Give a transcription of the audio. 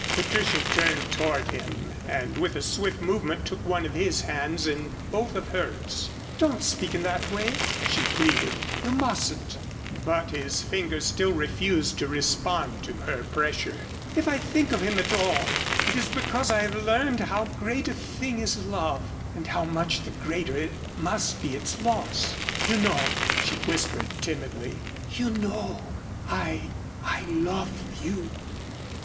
Patricia turned toward him and with a swift movement took one of his hands in both of hers. "Don't speak in that way," she pleaded. "You mustn't." But his fingers still refused to respond to her pressure. "If I think of him at all, it is because I have learned how great a thing is love and how much the greater must be its loss. You know," she whispered, timidly, "you know I I love you."